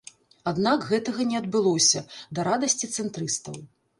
Аднак гэтага не адбылося, да радасці цэнтрыстаў.